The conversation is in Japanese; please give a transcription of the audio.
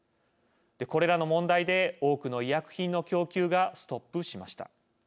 これらの問題で多くの医薬品の供給がストップしました。